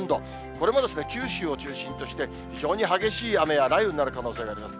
これも九州を中心として、非常に激しい雨や雷雨になる可能性があります。